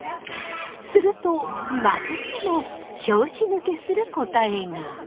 するとまたしても拍子抜けする答えが。